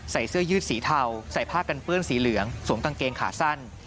เสื้อยืดสีเทาใส่ผ้ากันเปื้อนสีเหลืองสวมกางเกงขาสั้น